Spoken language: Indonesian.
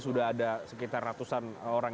sudah ada sekitar ratusan orang